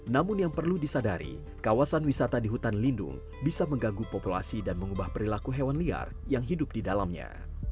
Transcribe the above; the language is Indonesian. namun yang perlu disadari kawasan wisata di hutan lindung bisa mengganggu populasi dan mengubah perilaku hewan liar yang hidup di dalamnya